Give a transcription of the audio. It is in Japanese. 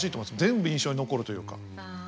全部印象に残るというか。